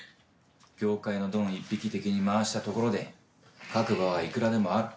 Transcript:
業界のドン一匹敵に回したところで書く場はいくらでもある。